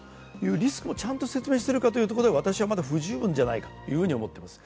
リスクもちゃんと説明してるかというところで話はまだ不十分ではないかと思っています。